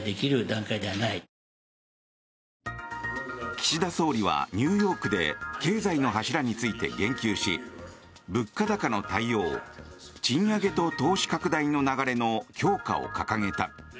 岸田総理はニューヨークで経済の柱について言及し物価高の対応賃上げと投資拡大の流れの強化を掲げた。